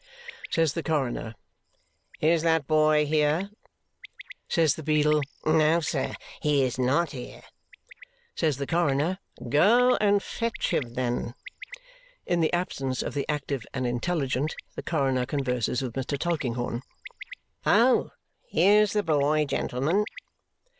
Says the coroner, is that boy here? Says the beadle, no, sir, he is not here. Says the coroner, go and fetch him then. In the absence of the active and intelligent, the coroner converses with Mr. Tulkinghorn. Oh! Here's the boy, gentlemen!